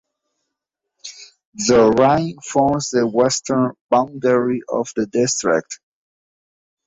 The Rhine forms the western boundary of the district.